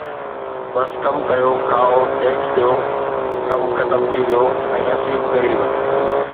بس ڪم ڪريو، کائو، ٽيڪس ڏيو، ڪم ختم ٿي ويو ۽ اسين به غريب